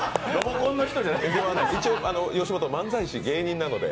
一応吉本の芸人なので。